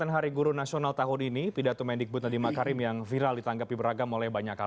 hari guru nasional